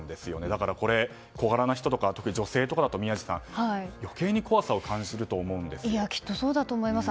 だから、小柄な人とか特に女性ですと宮司さん、余計に怖さを感じるとそうだと思います。